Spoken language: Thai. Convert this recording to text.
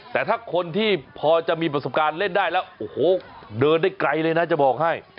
แต่ถ้าคนที่พอจะมีประสบการณ์เล่นได้แล้วโอ้โหเดินได้ไกลเลยนะจะบอกให้